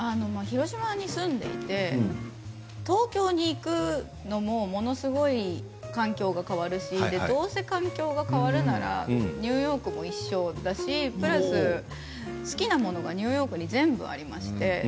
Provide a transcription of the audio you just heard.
広島に住んでいて東京に行くのもものすごい環境が変わるしどうせ環境が変わるならニューヨークも一緒だしプラス好きなものがニューヨークに縁がありまして